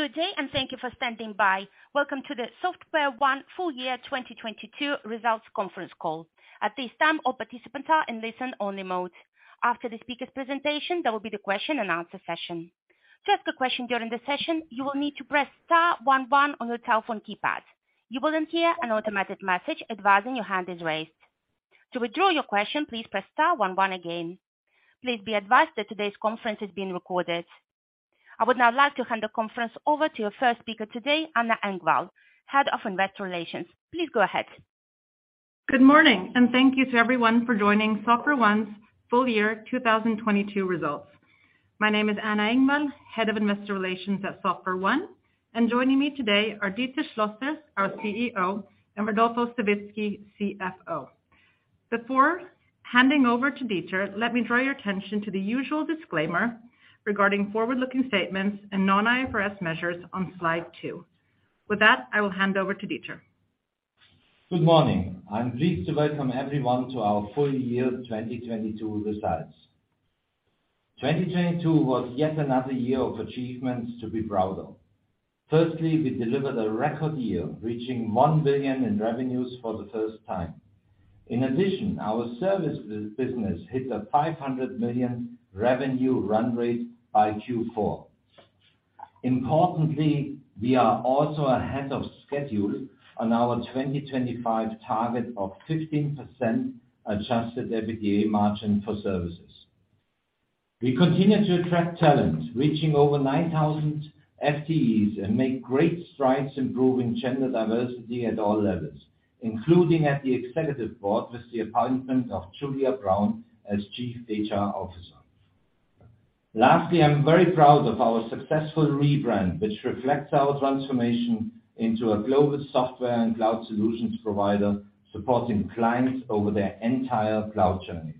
Good day, thank you for standing by. Welcome to the SoftwareOne Full Year 2022 Results Conference Call. At this time, all participants are in listen-only mode. After the speaker presentation, there will be the question-and-answer session. To ask a question during the session, you will need to press star one one on your telephone keypad. You will then hear an automated message advising your hand is raised. To withdraw your question, please press star one one again. Please be advised that today's conference is being recorded. I would now like to hand the conference over to your first speaker today, Anna Engvall, Head of Investor Relations. Please go ahead. Good morning, and thank you to everyone for joining SoftwareOne's full-year 2022 results. My name is Anna Engvall, Head of Investor Relations at SoftwareOne. And joining me today are Dieter Schlosser, our CEO, and Rodolfo Savitzky, CFO. Before handing over to Dieter, let me draw your attention to the usual disclaimer regarding forward-looking statements and non-IFRS measures on slide two. With that, I will hand over to Dieter. Good morning. I'm pleased to welcome everyone to our full-year 2022 results. 2022 was yet another year of achievements to be proud of. Firstly, we delivered a record year reaching 1 billion in revenues for the first time. In addition, our service business hit a 500 million revenue run-rate by Q4. Importantly, we are also ahead of schedule on our 2025 target of 15% adjusted EBITDA margin for services. We continue to attract talent reaching over 9,000 FTEs, and make great strides improving gender diversity at all levels, including at the Executive Board with the appointment of Julia Braun as Chief HR Officer. Lastly, I'm very proud of our successful re-brand, which reflects our transformation into a global software and cloud solutions provider, supporting clients over their entire cloud journeys.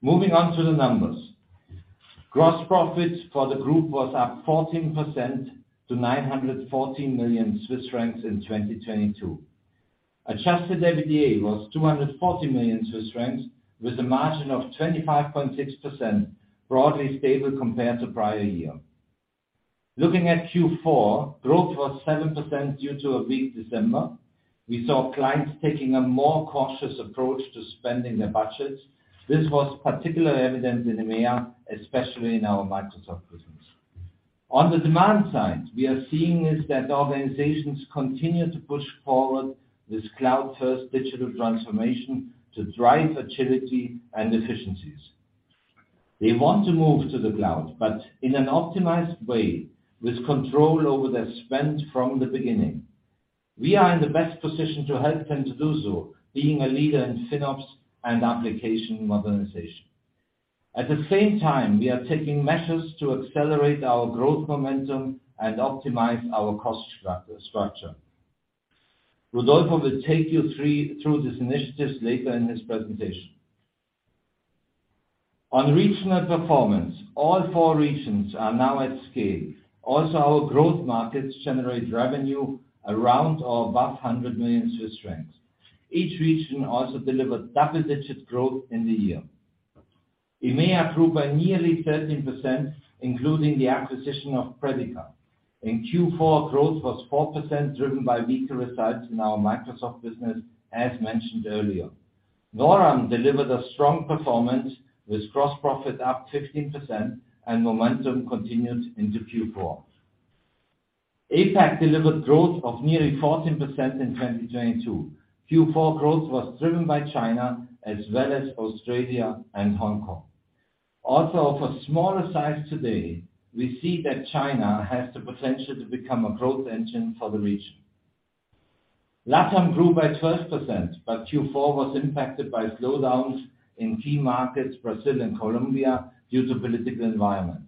Moving on to the numbers. Gross profits for the group was up 14% to 914 million Swiss francs in 2022. Adjusted EBITDA was 240 million Swiss francs with a margin of 25.6%, broadly stable compared to prior year. Looking at Q4, growth was 7% due to a weak December. We saw clients taking a more cautious approach to spending their budgets. This was particularly evident in EMEA, especially in our Microsoft business. On the demand side, we are seeing is that organizations continue to push forward this cloud-first digital transformation to drive agility and efficiencies. They want to move to the cloud, but in an optimized way with control over their spend from the beginning. We are in the best position to help them do so, being a leader in FinOps and application modernization. At the same time, we are taking measures to accelerate our growth momentum and optimize our cost structure. Rodolfo will take you through these initiatives later in his presentation. On regional performance, all four regions are now at scale. Our growth markets generate revenue around or above 100 million Swiss francs. Each region also delivered double-digit growth in the year. EMEA grew by nearly 13%, including the acquisition of Predica. In Q4, growth was 4% driven by weaker results in our Microsoft business as mentioned earlier. NORAM delivered a strong performance with gross profit up 15% and momentum continued into Q4. APAC delivered growth of nearly 14% in 2022. Q4 growth was driven by China as well as Australia and Hong Kong. Also for a smaller size today, we see that China has the potential to become a growth engine for the region. LATAM grew by 12%. Q4 was impacted by slowdowns in key markets, Brazil and Colombia, due to political environment.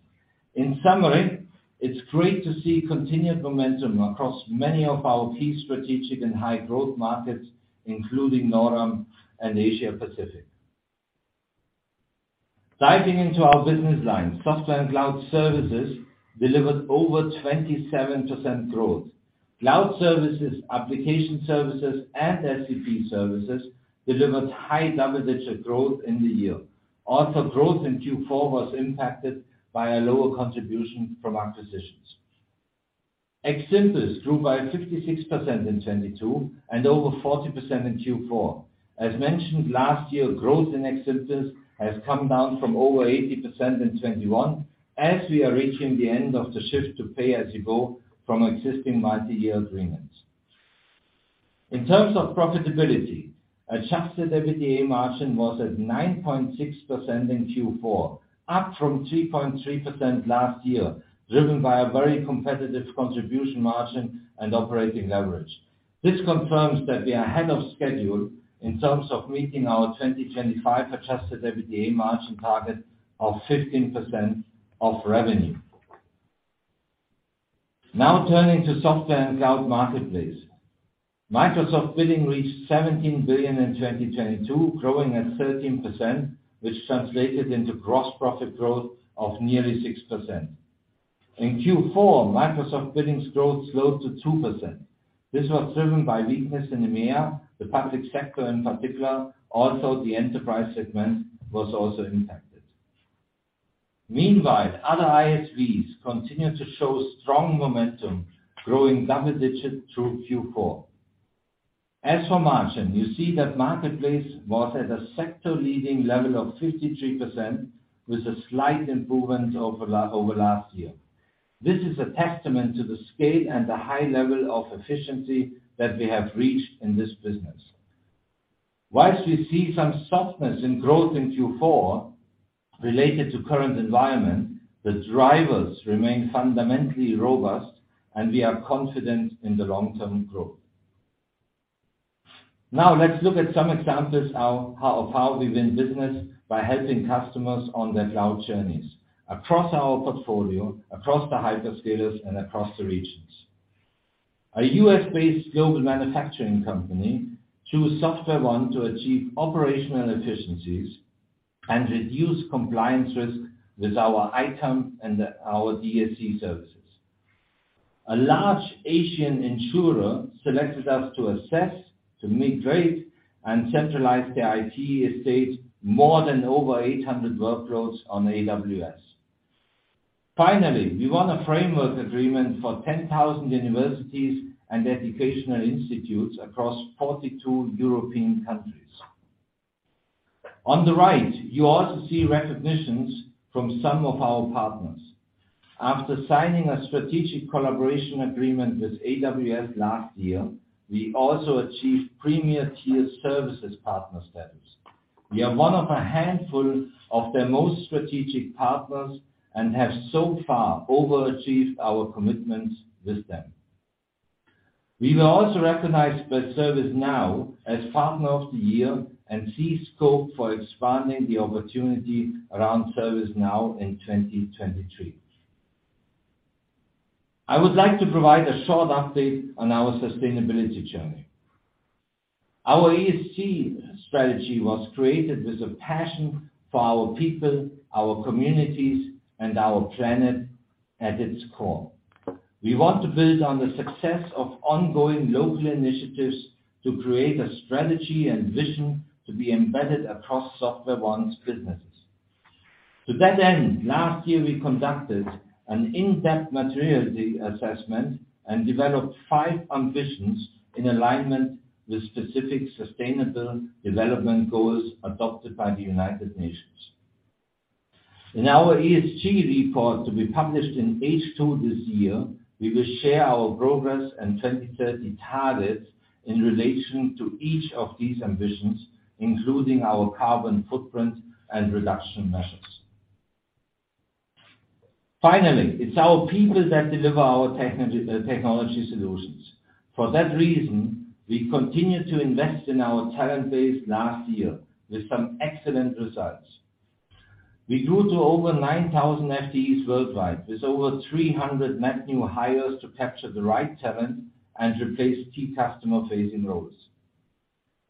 In summary, it's great to see continued momentum across many of our key strategic and high growth markets, including NORAM and Asia-Pacific. Diving into our business lines, Software and Cloud Services delivered over 27% growth. Cloud Services, Application Services and SAP Services delivered high double-digit growth in the year. Growth in Q4 was impacted by a lower contribution from acquisitions. xSimples grew by 56% in 2022 and over 40% in Q4. As mentioned last year, growth in xSimples has come down from over 80% in 2021 as we are reaching the end of the shift to pay-as-you-go from existing multi-year agreements. In terms of profitability, adjusted EBITDA margin was at 9.6% in Q4, up from 3.3% last year, driven by a very competitive contribution margin and operating leverage. This confirms that we are ahead of schedule in terms of meeting our 2025 adjusted EBITDA margin target of 15% of revenue. Turning to Software and Cloud Marketplace. Microsoft billing reached 17 billion in 2022, growing at 13%, which translated into gross profit growth of nearly 6%. In Q4, Microsoft billing growth slowed to 2%. This was driven by weakness in EMEA, the public sector in particular, also the enterprise segment was also impacted. Meanwhile, other ISVs continue to show strong momentum, growing double digits through Q4. As for margin, you see that Marketplace was at a sector-leading level of 53% with a slight improvement over last year. This is a testament to the scale and the high level of efficiency that we have reached in this business. Whilst we see some softness in growth in Q4 related to current environment, the drivers remain fundamentally robust, and we are confident in the long-term growth. Now let's look at some examples how, of how we win business by helping customers on their cloud journeys across our portfolio, across the hyperscalers, and across the regions. A U.S.-based global manufacturing company chose SoftwareOne to achieve operational efficiencies and reduce compliance risk with our ITAM and our DSC services. A large Asian insurer selected us to assess, to migrate, and centralize their IT estate more than over 800 workloads on AWS. Finally, we won a framework agreement for 10,000 universities and educational institutes across 42 European countries. On the right, you also see recognitions from some of our partners. After signing a strategic collaboration agreement with AWS last year, we also achieved Premier Tier Services Partner status. We are one of a handful of their most strategic partners and have so far overachieved our commitments with them. We were also recognized by ServiceNow as Partner of the Year and Fresco for expanding the opportunity around ServiceNow in 2023. I would like to provide a short update on our sustainability journey. Our ESG strategy was created with a passion for our people, our communities, and our planet at its core. We want to build on the success of ongoing local initiatives to create a strategy and vision to be embedded across SoftwareOne's businesses. To that end, last year, we conducted an in-depth materiality assessment and developed five ambitions in alignment with specific sustainable development goals adopted by the United Nations. In our ESG report, to be published in H2 this year, we will share our progress and 2030 targets in relation to each of these ambitions, including our carbon footprint and reduction measures. Finally, it's our people that deliver our technology solutions. That reason, we continued to invest in our talent base last year with some excellent results. We grew to over 9,000 FTEs worldwide with over 300 net new hires to capture the right talent and replace key customer-facing roles.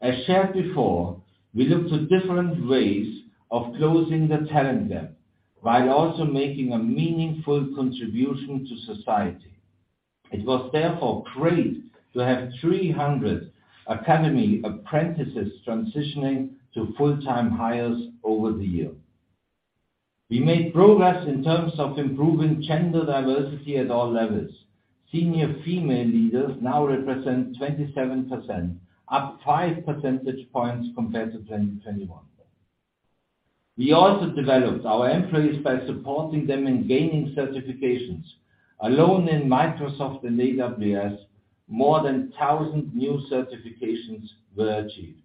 As shared before, we look to different ways of closing the talent gap while also making a meaningful contribution to society. It was therefore great to have 300 academy apprentices transitioning to full-time hires over the year. We made progress in terms of improving gender diversity at all levels. Senior female leaders now represent 27%, up 5 percentage points compared to 2021. We also developed our employees by supporting them in gaining certifications. Alone in Microsoft and AWS, more than 1,000 new certifications were achieved.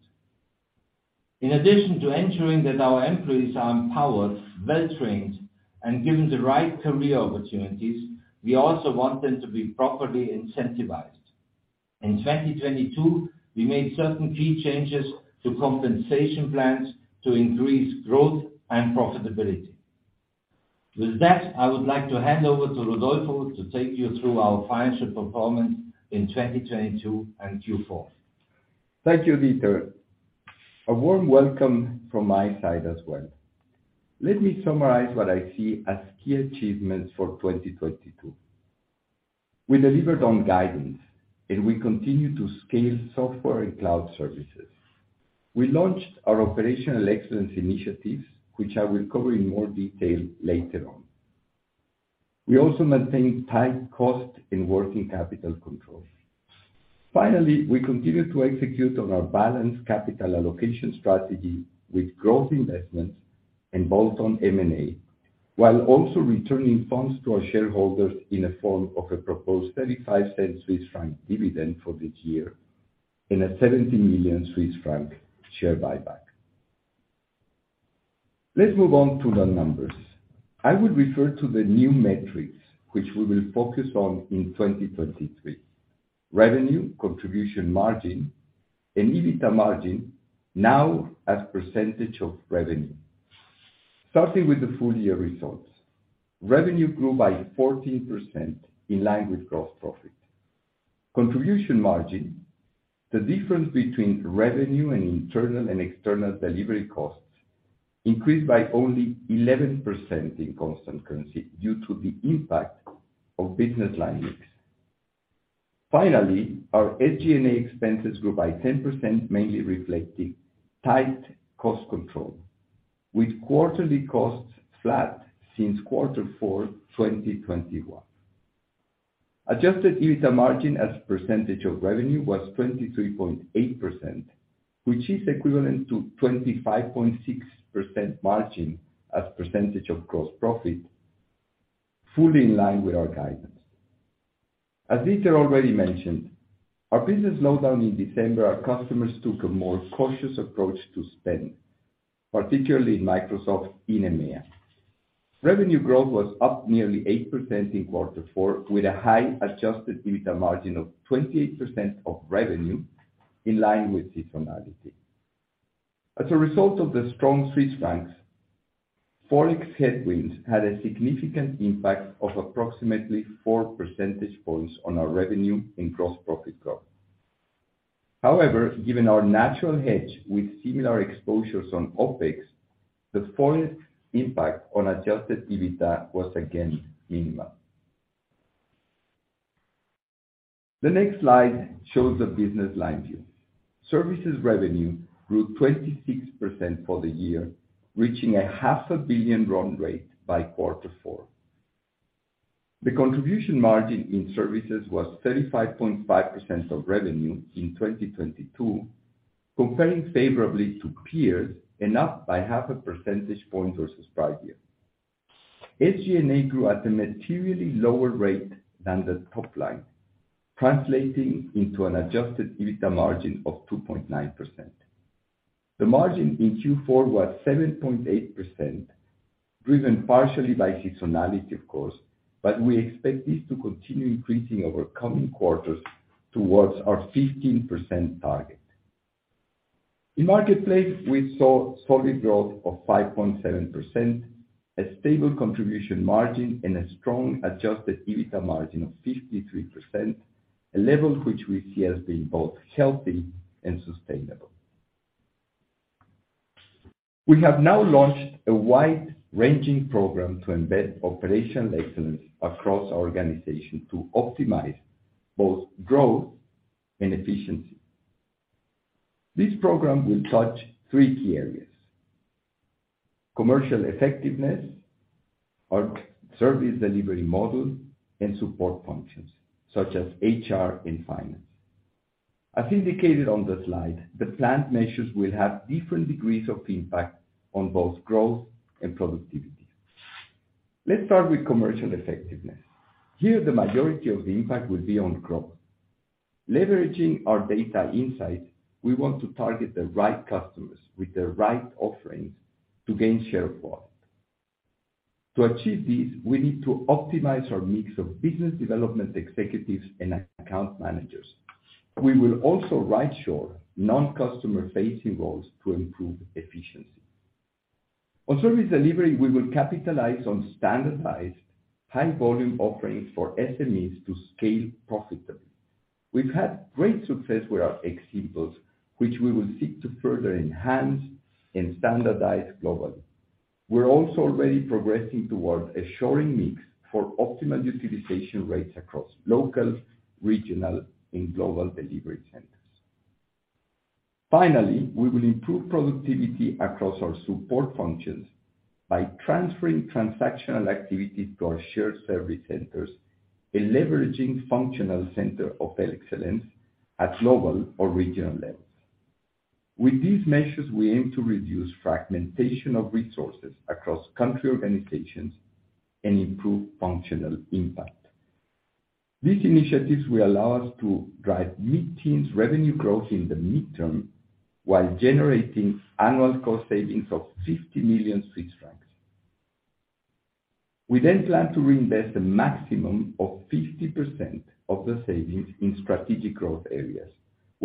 In addition to ensuring that our employees are empowered, well-trained, and given the right career opportunities, we also want them to be properly incentivized. In 2022, we made certain key changes to compensation plans to increase growth and profitability. I would like to hand over to Rodolfo to take you through our financial performance in 2022 and Q4. Thank you, Dieter. A warm welcome from my side as well. Let me summarize what I see as key achievements for 2022. We delivered on guidance, and we continued to scale Software and Cloud Services. We launched our operational excellence initiatives, which I will cover in more detail later on. We also maintained tight cost and working capital control. Finally, we continued to execute on our balanced capital allocation strategy with growth investments and bolt-on M&A, while also returning funds to our shareholders in the form of a proposed 0.35 dividend for this year and a 70 million Swiss franc share buyback. Let's move on to the numbers. I will refer to the new metrics which we will focus on in 2023: revenue, contribution margin, and EBITDA margin now as percentage of revenue. Starting with the full-year results, revenue grew by 14% in line with gross profit. Contribution margin, the difference between revenue and internal and external delivery costs, increased by only 11% in constant currency due to the impact of business line mix. Finally, our SG&A expenses grew by 10%, mainly reflecting tight cost control, with quarterly costs flat since quarter four 2021. Adjusted EBITDA margin as a percentage of revenue was 23.8%, which is equivalent to 25.6% margin as a percentage of gross profit, fully in line with our guidance. As Dieter already mentioned, our business slowed down in December. Our customers took a more cautious approach to spend, particularly Microsoft in EMEA. Revenue growth was up nearly 8% in quarter four, with a high adjusted EBITDA margin of 28% of revenue in line with seasonality. As a result of the strong Swiss francs, forex headwinds had a significant impact of approximately 4 percentage points on our revenue and gross profit growth. Given our natural hedge with similar exposures on OpEx, the forex impact on adjusted EBITDA was again minimal. The next slide shows the business line view. Services revenue grew 26% for the year, reaching a 500 million run-rate by quarter four. The contribution margin in Services was 35.5% of revenue in 2022, comparing favorably to peers and up by half a percentage point versus prior year. SG&A grew at a materially lower rate than the top line, translating into an adjusted EBITDA margin of 2.9%. The margin in Q4 was 7.8%, driven partially by seasonality, of course, we expect this to continue increasing over coming quarters towards our 15% target. In marketplace, we saw solid growth of 5.7%, a stable contribution margin, and a strong adjusted EBITDA margin of 53%, a level which we see as being both healthy and sustainable. We have now launched a wide-ranging program to embed operational excellence across our organization to optimize both growth and efficiency. This program will touch three key areas: commercial effectiveness, our service delivery model, and support functions such as HR and Finance. As indicated on the slide, the planned measures will have different degrees of impact on both growth and productivity. Let's start with commercial effectiveness. Here, the majority of the impact will be on growth. Leveraging our data insights, we want to target the right customers with the right offerings to gain share of wallet. To achieve this, we need to optimize our mix of business development executives and account managers. We will also right-shore non-customer-facing roles to improve efficiency. On service delivery, we will capitalize on standardized high-volume offerings for SMEs to scale profitably. We've had great success with our xSimples, which we will seek to further enhance and standardize globally. We're also already progressing towards a shoring mix for optimal utilization rates across local, regional, and global delivery centers. Finally, we will improve productivity across our support functions by transferring transactional activities to our shared service centers and leveraging functional center of excellence at global or regional levels. With these measures, we aim to reduce fragmentation of resources across country organizations and improve functional impact. These initiatives will allow us to drive mid-teens revenue growth in the midterm, while generating annual cost savings of 50 million Swiss francs. We plan to reinvest a maximum of 50% of the savings in strategic growth areas,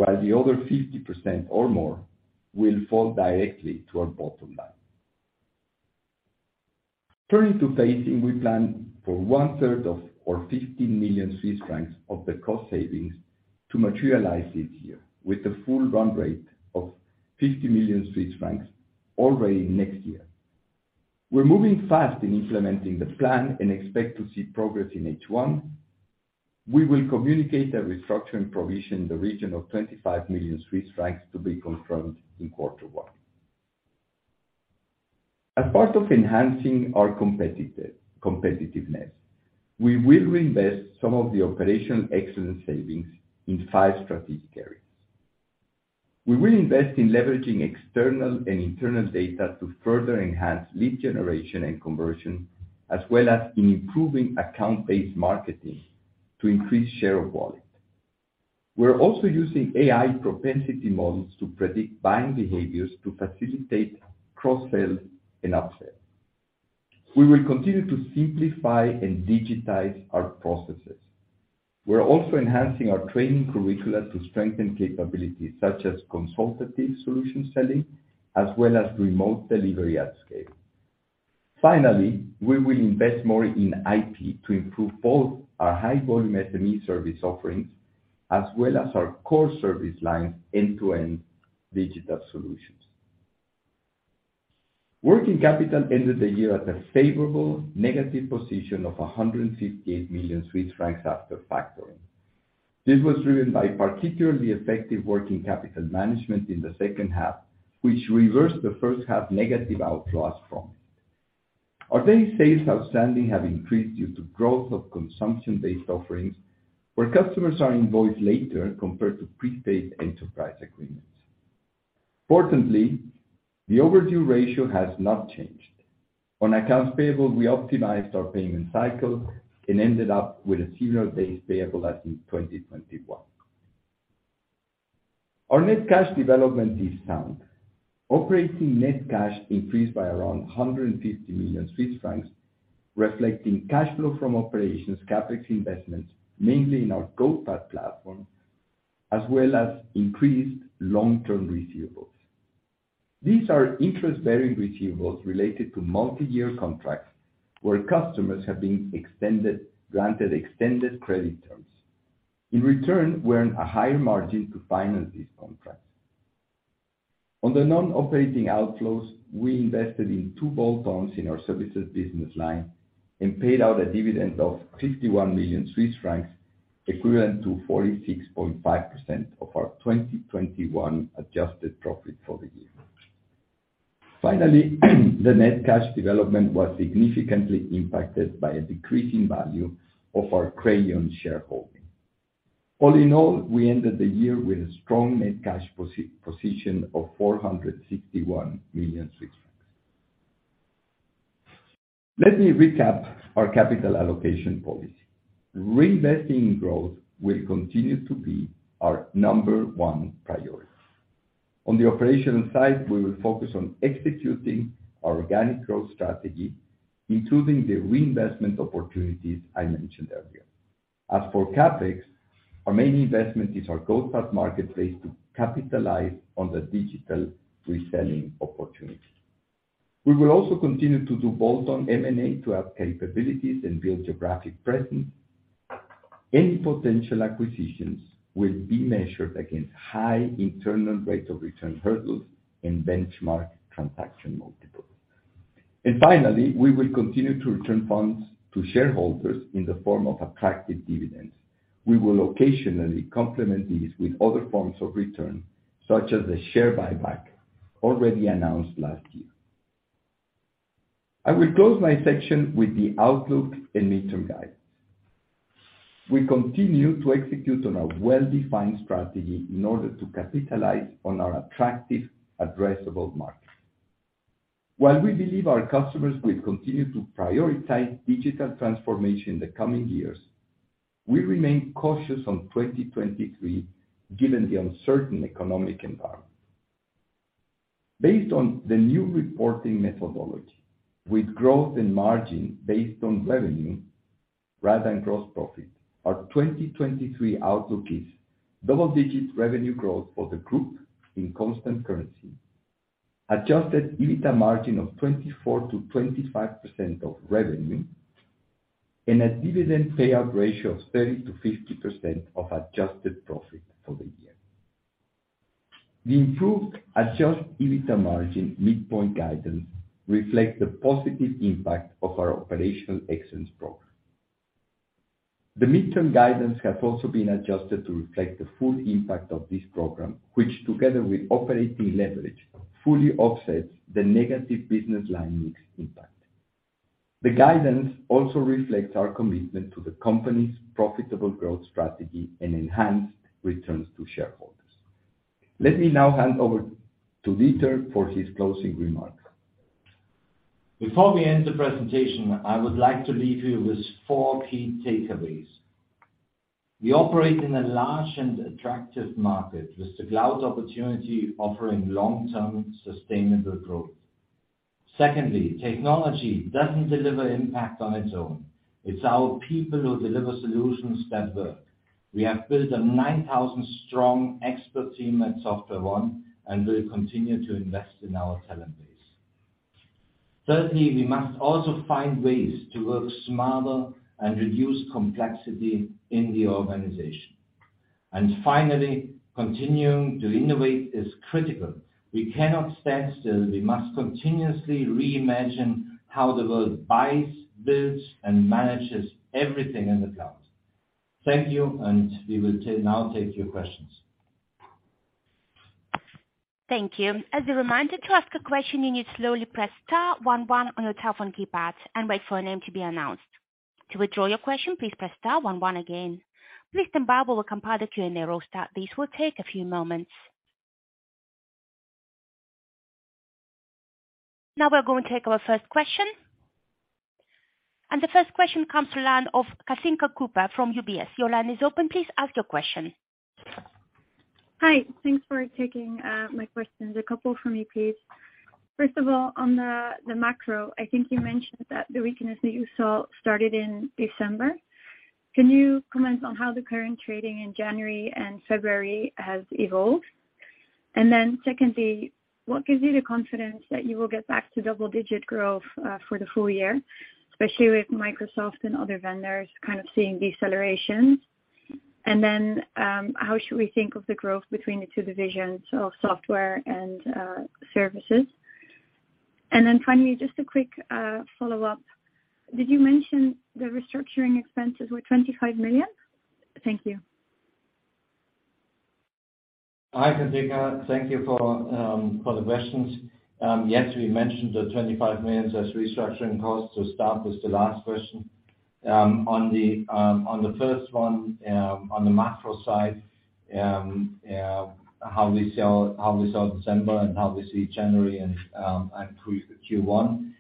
while the other 50% or more will fall directly to our bottom line. Turning to phasing, we plan for 1/3 of, or 50 million Swiss francs of the cost savings to materialize this year with the full run-rate of 50 million Swiss francs already next year. We're moving fast in implementing the plan and expect to see progress in H1. We will communicate a restructuring provision in the region of 25 million to be confirmed in quarter one. As part of enhancing our competitiveness, we will reinvest some of the operational excellence savings in five strategic areas. We will invest in leveraging external and internal data to further enhance lead generation and conversion, as well as in improving account-based marketing to increase share of wallet. We're also using AI propensity models to predict buying behaviors to facilitate cross-sell and up-sell. We will continue to simplify and digitize our processes. We're also enhancing our training curricula to strengthen capabilities such as consultative solution selling, as well as remote delivery at scale. Finally, we will invest more in IP to improve both our high volume SME service offerings as well as our core service line end-to-end digital solutions. Working capital ended the year at a favorable negative position of 158 million Swiss francs after factoring. This was driven by particularly effective working capital management in the second half, which reversed the first half negative outflows from it. Our days sales outstanding have increased due to growth of consumption-based offerings, where customers are invoiced later compared to pre-paid enterprise agreements. Importantly, the overdue ratio has not changed. On accounts payable, we optimized our payment cycle and ended up with a similar days payable as in 2021. Our net cash development is sound. Operating net cash increased by around 150 million Swiss francs, reflecting cash flow from operations, CapEx investments, mainly in our Goatpath platform, as well as increased long-term receivables. These are interest-bearing receivables related to multi-year contracts where customers have been extended, granted extended credit terms. In return, we earn a higher margin to finance these contracts. On the non-operating outflows, we invested in two bolt-ons in our Services business line and paid out a dividend of 51 million Swiss francs, equivalent to 46.5% of our 2021 adjusted profit for the year. Finally, the net cash development was significantly impacted by a decrease in value of our Crayon shareholding. All in all, we ended the year with a strong net cash position of 451 million Swiss francs. Let me recap our capital allocation policy. Reinvesting growth will continue to be our number one priority. On the operational side, we will focus on executing our organic growth strategy, including the reinvestment opportunities I mentioned earlier. As for CapEx, our main investment is our Goatpath marketplace to capitalize on the digital reselling opportunity. We will also continue to do bolt-on M&A to add capabilities and build geographic presence. Any potential acquisitions will be measured against high internal rates of return hurdles and benchmark transaction multiples. Finally, we will continue to return funds to shareholders in the form of attractive dividends. We will occasionally complement these with other forms of return, such as the share buyback already announced last year. I will close my section with the outlook and midterm guide. We continue to execute on a well-defined strategy in order to capitalize on our attractive addressable market. While we believe our customers will continue to prioritize digital transformation in the coming years, we remain cautious on 2023 given the uncertain economic environment. Based on the new reporting methodology, with growth and margin based on revenue rather than gross profit, our 2023 outlook is double-digit revenue growth for the group in constant currency, adjusted EBITDA margin of 24%-25% of revenue, and a dividend payout ratio of 30%-50% of adjusted profit for the year. The improved adjusted EBITDA margin midpoint guidance reflects the positive impact of our operational excellence program. The midterm guidance has also been adjusted to reflect the full impact of this program, which together with operating leverage, fully offsets the negative business line mix impact. The guidance also reflects our commitment to the company's profitable growth strategy and enhanced returns to shareholders. Let me now hand over to Dieter for his closing remarks. Before we end the presentation, I would like to leave you with four key takeaways. We operate in a large and attractive market with the cloud opportunity offering long-term sustainable growth. Secondly, technology doesn't deliver impact on its own. It's our people who deliver solutions that work. We have built a 9,000 strong expert team at SoftwareOne and will continue to invest in our talent base. Thirdly, we must also find ways to work smarter and reduce complexity in the organization. Finally, continuing to innovate is critical. We cannot stand still. We must continuously reimagine how the world buys, builds, and manages everything in the cloud. Thank you. We will now take your questions. Thank you. As a reminder, to ask a question, you need to lowly press star one one on your telephone keypad and wait for a name to be announced. To withdraw your question, please press star one one again. Please stand by while we compile the Q&A roster. This will take a few moments. We're going to take our first question. The first question comes to land of Kathinka de Kuyper from UBS. Your line is open. Please ask your question. Hi. Thanks for taking my questions. A couple from me, please. First of all, on the macro, I think you mentioned that the weakness that you saw started in December. Can you comment on how the current trading in January and February has evolved? Secondly, what gives you the confidence that you will get back to double-digit growth for the full year, especially with Microsoft and other vendors kind of seeing decelerations? How should we think of the growth between the two divisions of software and services? Finally, just a quick follow-up. Did you mention the restructuring expenses were 25 million? Thank you. Hi, Kathinka. Thank you for the questions. Yes, we mentioned the 25 million as restructuring costs to start with the last question. On the first one, on the macro side, how we sell December and how we see January and pre Q1.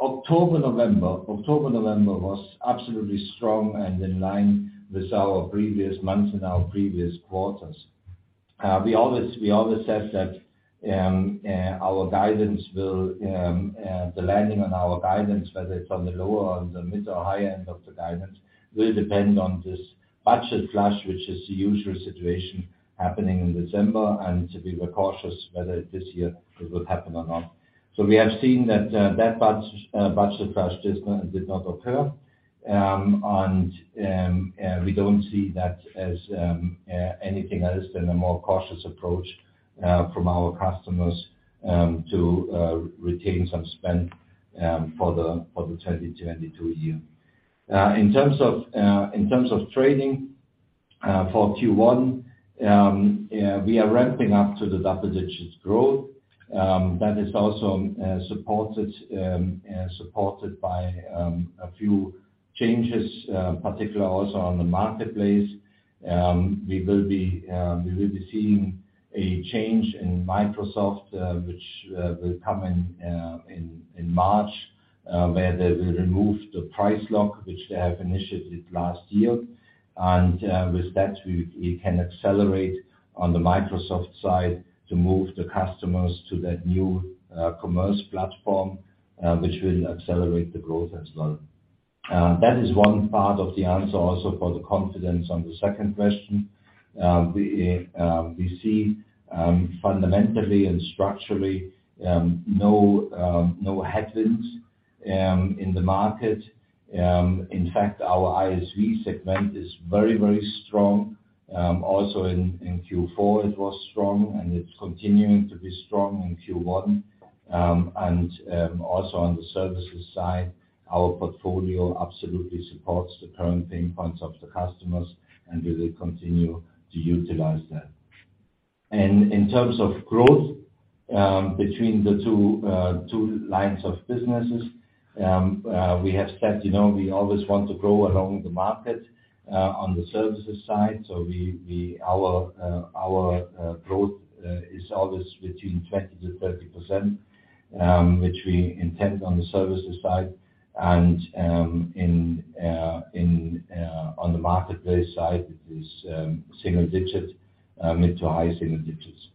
October, November was absolutely strong and in line with our previous months and our previous quarters. We always said that our guidance will the landing on our guidance, whether it's on the lower or the mid or high-end of the guidance, will depend on this budget flush, which is the usual situation happening in December. We were cautious whether this year it would happen or not. We have seen that budget flush just did not occur, and we don't see that as anything else than a more cautious approach from our customers to retain some spend for the 2022 year. In terms of trading for Q1, we are ramping up to the double digits growth that is also supported by a few changes, particular also on the Marketplace. We will be seeing a change in Microsoft, which will come in March, where they will remove the price lock, which they have initiated last year. With that, we can accelerate on the Microsoft side to move the customers to that new commerce platform, which will accelerate the growth as well. That is one part of the answer also for the confidence on the second question. We see fundamentally and structurally no headwinds in the market. In fact, our ISV segment is very, very strong. Also in Q4 it was strong, and it's continuing to be strong in Q1. Also on the services side, our portfolio absolutely supports the current pain points of the customers, and we will continue to utilize that. In terms of growth, between the two lines of businesses, we have said, you know, we always want to grow along with the market, on the Services side. Our growth is always between 20%-30%, which we intend on the Services side. On the Marketplace side, it is single-digit, mid-to-high single digits.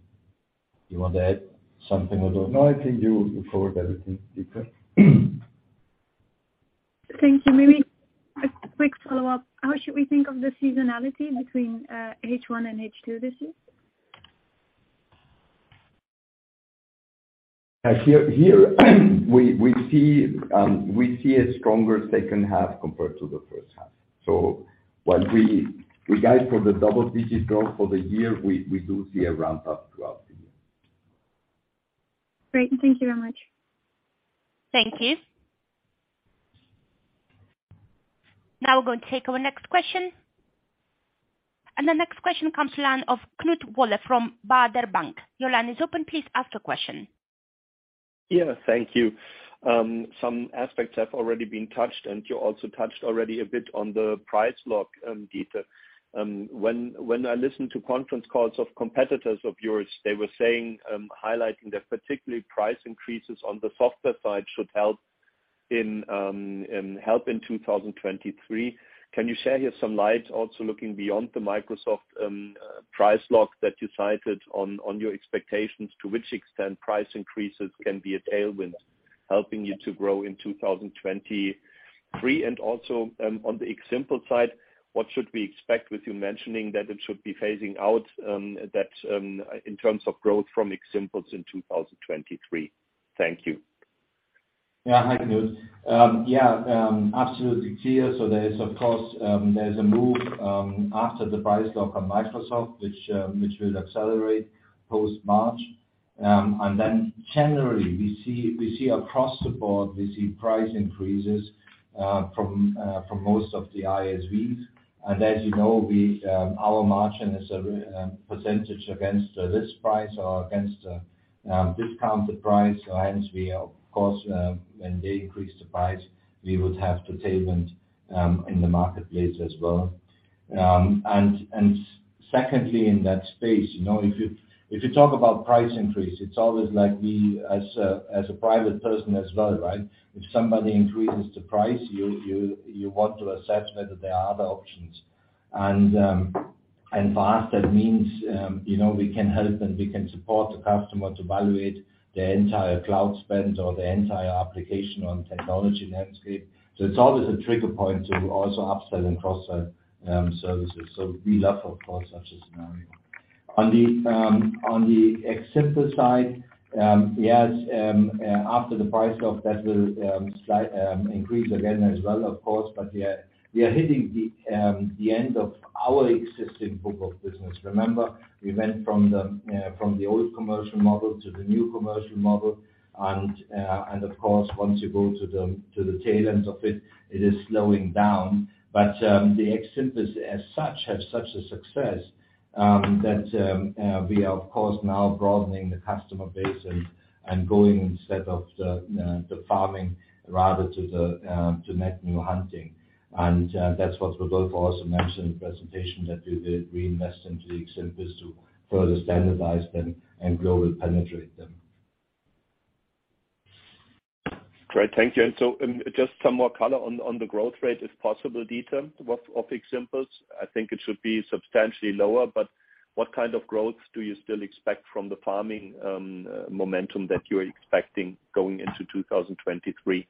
You want to add something? No, I think you covered everything, Dieter. Thank you. Maybe a quick follow-up. How should we think of the seasonality between H1 and H2 this year? Here we see a stronger second half compared to the first half. While we guide for the double-digit growth for the year, we do see a ramp up throughout the year. Great. Thank you very much. Thank you. Now we're going to take our next question. The next question comes the line of Knut Woller from Baader Bank. Your line is open. Please ask your question. Yeah, thank you. Some aspects have already been touched, and you also touched already a bit on the price lock, Dieter. When I listened to conference calls of competitors of yours, they were saying, highlighting that particularly price increases on the software side should help in 2023. Can you share here some light also looking beyond the Microsoft price lock that you cited on your expectations to which extent price increases can be a tailwind helping you to grow in 2023? Also, on the xSimples side, what should we expect with you mentioning that it should be phasing out, that in terms of growth from xSimples in 2023? Thank you. Hi, Knut. Yeah, absolutely clear. There is of course, there's a move after the price lock on Microsoft, which will accelerate post-March. Generally, we see across the board, we see price increases from most of the ISVs. As you know, we our margin is a percentage against this price or against a discounted price. Hence, we of course, when they increase the price, we would have to tailwind in the Marketplace as well. Secondly, in that space, you know, if you talk about price increase, it's always like we as a private person as well, right? If somebody increases the price, you want to assess whether there are other options. For us that means, you know, we can help and we can support the customer to evaluate their entire cloud spend or the entire application on technology landscape. It's always a trigger point to also up-sell and cross-sell services. We love of course such a scenario. On the xSimples side, yes, after the price of that will slight increase again as well, of course. Yeah, we are hitting the end of our existing book of business. Remember we went from the old commercial model to the new commercial model and of course, once you go to the tail end of it is slowing down. The xSimples as such, has such a success that we are of course now broadening the customer base and going instead of the farming rather to the net new hunting. That's what Rodolfo also mentioned in the presentation that we will reinvest into the xSimples to further standardize them and grow and penetrate them. Great. Thank you. Just some more color on the growth rate, if possible, Dieter, of xSimples. I think it should be substantially lower, but what kind of growth do you still expect from the farming momentum that you are expecting going into 2023?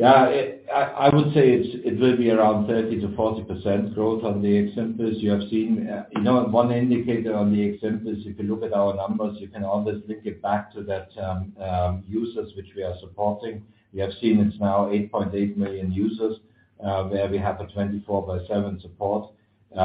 Yeah, I would say it's, it will be around 30%-40% growth on the xSimples. You have seen, you know, one indicator on the xSimples, if you look at our numbers, you can always link it back to that, users which we are supporting. We have seen it's now 8.8 million users, where we have a 24 by seven support. We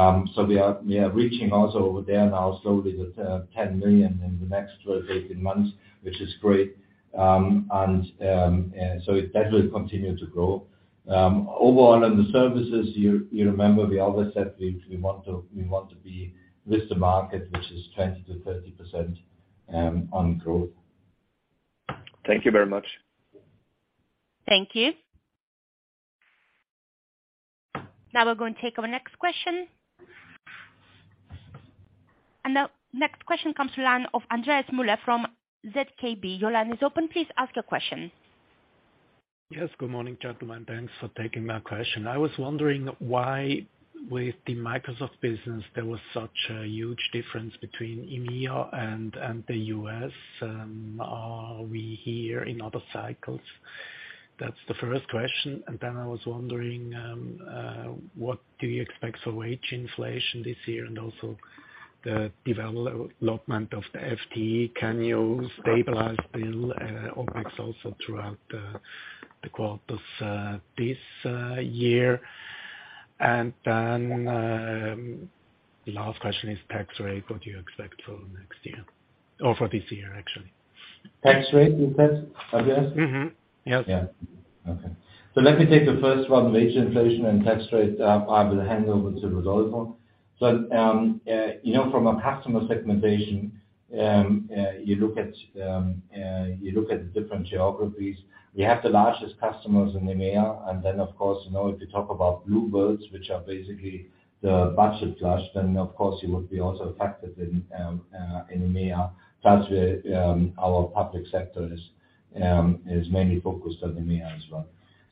are reaching also over there now slowly to 10 million in the next 12-18 months, which is great. That will continue to grow. Overall on the services, you remember we always said we want to be with the market, which is 20%-30% on growth. Thank you very much. Thank you. Now we're going to take our next question. The next question comes to line of Andreas Müller from ZKB. Your line is open. Please ask your question. Yes, good morning, gentlemen. Thanks for taking my question. I was wondering why with the Microsoft business there was such a huge difference between EMEA and the U.S., are we hear in other cycles? That's the first question. I was wondering, what do you expect for wage inflation this year and also the development of the FTE, can you stabilize bill OpEx also throughout the quarters this year? Last question is tax rate. What do you expect for next year or for this year, actually? Tax rate, you said, Andreas? Mm-hmm. Yep. Okay. Let me take the first one, wage inflation and tax rate. I will hand over to Rodolfo. You know, from a customer segmentation, you look at, you look at the different geographies. We have the largest customers in EMEA. Then of course, you know, if you talk about bluebirds, which are basically the budget flush, then of course you would be also affected in EMEA. Plus we, our public sector is mainly focused on EMEA as well.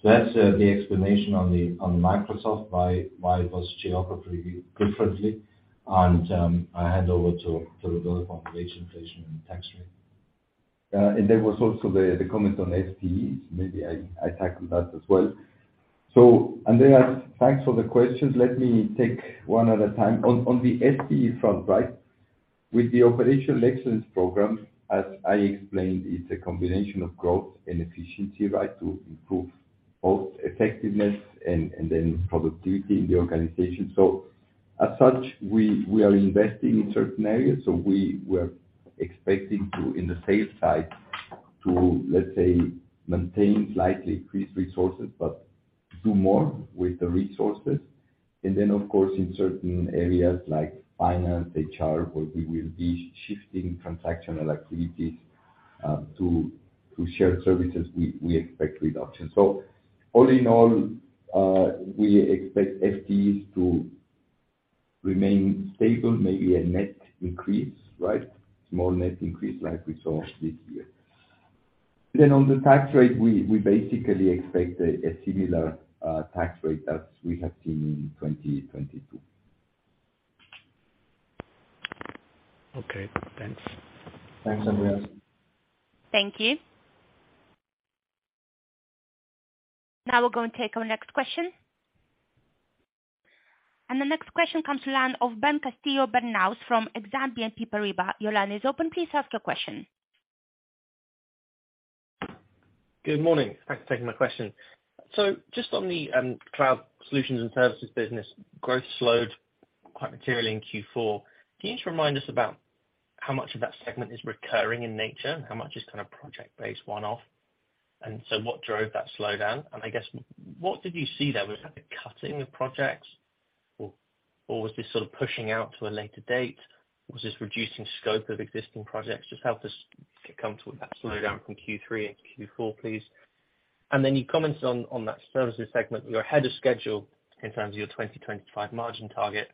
That's the explanation on the Microsoft why it was geography differently. I hand over to Rodolfo on wage inflation and tax rate. There was also the comment on FTEs. Maybe I tackle that as well. Andreas, thanks for the questions. Let me take one at a time. On the FTE front, right? With the operational excellence program, as I explained, it's a combination of growth and efficiency, right? To improve both effectiveness and productivity in the organization. As such, we are investing in certain areas. We were expecting to, in the sales side to, let's say, maintain slightly increased resources, but do more with the resources. Of course, in certain areas like finance, HR, where we will be shifting transactional activities to shared services, we expect reduction. All in all, we expect FTEs to remain stable, maybe a net increase, right? Small net increase like we saw this year. On the tax rate, we basically expect a similar tax rate as we have seen in 2022. Okay, thanks. Thanks, Andreas. Thank you. Now we're gonna take our next question. The next question comes to line of Ben Castillo-Bernaus from Exane BNP Paribas. Your line is open. Please ask your question. Good morning. Thanks for taking my question. Just on the Cloud Solutions and Services business, growth slowed quite materially in Q4. Can you just remind us about how much of that segment is recurring in nature, and how much is kind of project-based one-off? What drove that slowdown? I guess, what did you see there? Was that the cutting of projects or was this sort of pushing out to a later date? Was this reducing scope of existing projects? Just help us come to that slowdown from Q3 and Q4, please. You commented on that Services segment. You're ahead of schedule in terms of your 2025 margin target.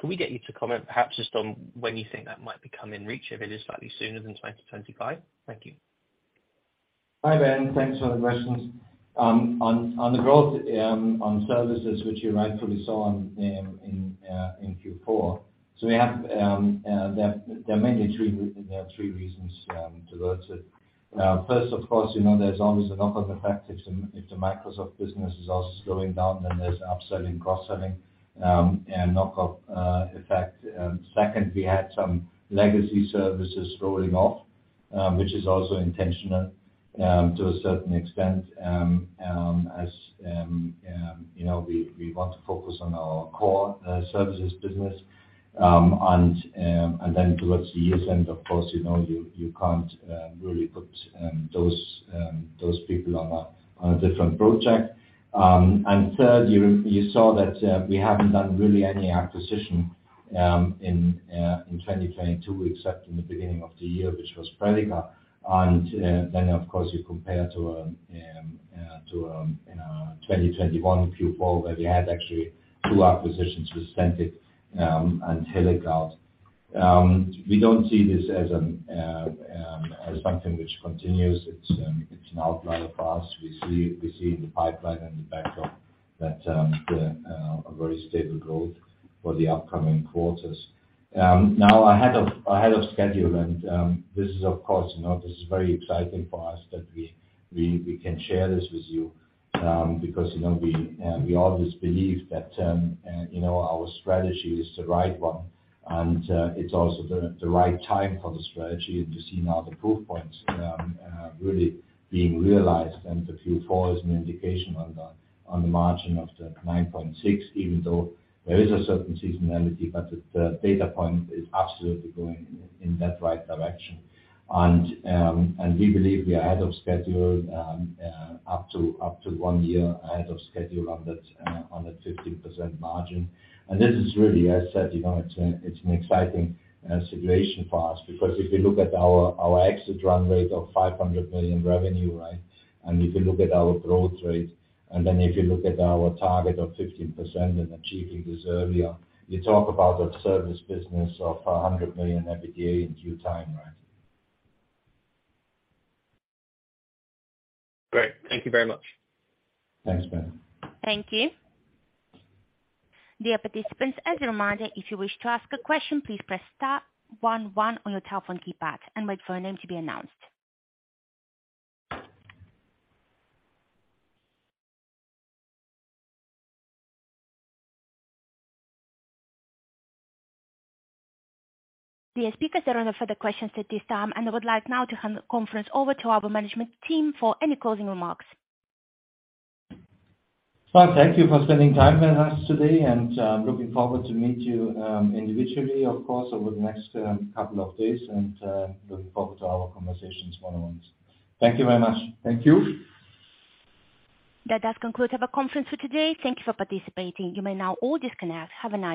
Can we get you to comment perhaps just on when you think that might become in reach, if it is slightly sooner than 2025? Thank you. Hi, Ben. Thanks for the questions. On the growth on services which you rightfully saw in Q4. We have there are mainly three, there are three reasons towards it. First, of course, you know, there's always a knock-on effect if the Microsoft business is also slowing down, then there's up-selling, cross-selling, and knock-off effect. Second, we had some legacy services rolling off, which is also intentional to a certain extent. As, you know, we want to focus on our core Services business. Then towards the year-end, of course, you know, you can't really put those people on a different project. Third, you saw that we haven't done really any acquisition in 2022 except in the beginning of the year, which was Predica. Of course, you compare to, you know, 2021 Q4, where we had actually two acquisitions with Centiq and HeleCloud. We don't see this as an as something which continues. It's an outlier for us. We see in the pipeline and the backdrop that a very stable growth for the upcoming quarters. Now ahead of schedule and this is of course, you know, this is very exciting for us that we can share this with you, because, you know, we always believe that, you know, our strategy is the right one and it's also the right time for the strategy. You see now the proof points really being realized and the Q4 is an indication on the margin of the 9.6%, even though there is a certain seasonality, but the data point is absolutely going in that right direction. We believe we are ahead of schedule up to one year ahead of schedule on that 15% margin. This is really, as I said, you know, it's an exciting situation for us because if you look at our exit-run rate of 500 million revenue, right? If you look at our growth rate, then if you look at our target of 15% and achieving this earlier, you talk about a service business of 100 million EBITDA in due time, right? Great. Thank you very much. Thanks, Ben. Thank you. Dear participants, as a reminder, if you wish to ask a question, please press star one one on your telephone keypad and wait for your name to be announced. Dear speakers, there are no further questions at this time. I would like now to hand the conference over to our management team for any closing remarks. Well, thank you for spending time with us today and, looking forward to meet you, individually of course over the next, couple of days and, looking forward to our conversations one-on-one. Thank you very much. Thank you. That does conclude our conference for today. Thank you for participating. You may now all disconnect. Have a nice day.